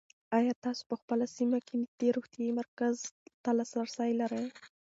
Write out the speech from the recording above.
آیا تاسو په خپله سیمه کې نږدې روغتیایي مرکز ته لاسرسی لرئ؟